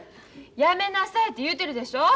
やめなさいって言うてるでしょ。